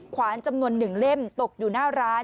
ขวานจำนวน๑เล่มตกอยู่หน้าร้าน